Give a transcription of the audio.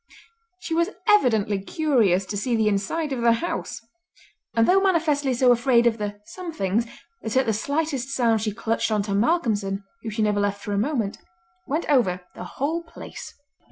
She was evidently curious to see the inside of the house; and though manifestly so afraid of the "somethings" that at the slightest sound she clutched on to Malcolmson, whom she never left for a moment, went over the whole place.